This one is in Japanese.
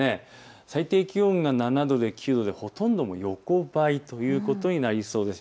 最低気温が７度でほとんど横ばいということになりそうです。